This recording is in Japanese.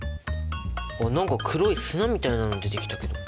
何か黒い砂みたいなの出てきたけど。